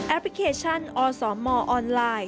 พลิเคชันอสมออนไลน์